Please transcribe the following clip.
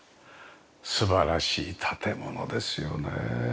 素晴らしい建物ですよね。